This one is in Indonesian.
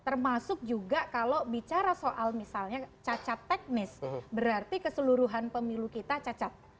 termasuk juga kalau bicara soal misalnya cacat teknis berarti keseluruhan pemilu kita cacat